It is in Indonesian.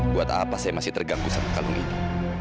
buat apa saya masih terganggu sama kalung ini